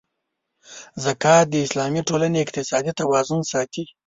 زکات د اسلامي ټولنې اقتصادي توازن ساتي.